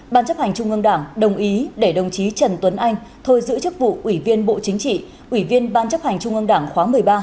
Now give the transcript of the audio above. ban chấp hành trung ương đảng đồng ý để đồng chí trần tuấn anh thôi giữ chức vụ ủy viên bộ chính trị ủy viên ban chấp hành trung ương đảng khóa một mươi ba